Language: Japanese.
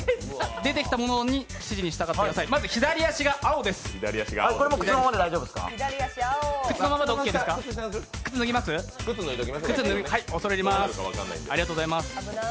出てきた指示に従ってください。